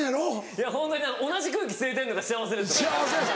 いやホントに同じ空気吸えてるのが幸せです。